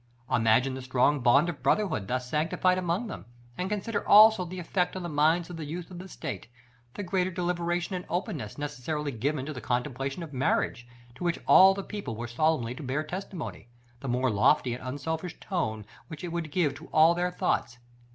Imagine the strong bond of brotherhood thus sanctified among them, and consider also the effect on the minds of the youth of the state; the greater deliberation and openness necessarily given to the contemplation of marriage, to which all the people were solemnly to bear testimony; the more lofty and unselfish tone which it would give to all their thoughts.